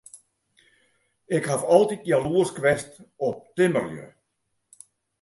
Ik haw altyd jaloersk west op timmerlju.